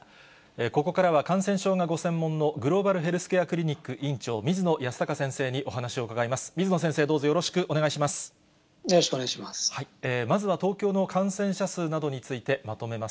ここからは感染症がご専門のグローバルヘルスケアクリニック院長、水野泰孝先生にお話を伺います。